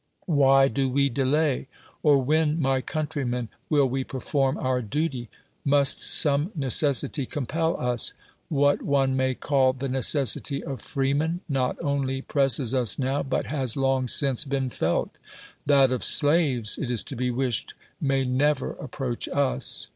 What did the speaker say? why do we delay? or w^hcn, my countrymen, will we perform our duty? IMiist some necessity compel us? What one may cal] the necessity of freemen not only presses us now, but has long since been felt: that of slaves, it is to be wished, maj^ never approach us.